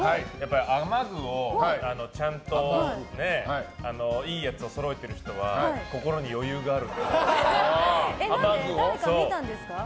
雨具をちゃんといいやつをそろえている人は心に余裕がある。